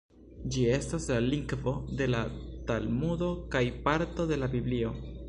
Ĝi estas la lingvo de la Talmudo kaj parto de la Biblio.